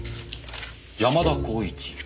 山田公一。